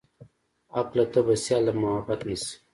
عقله ته به سيال د محبت نه شې.